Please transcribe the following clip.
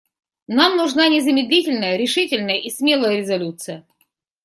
Нам нужна незамедлительная, решительная и смелая резолюция.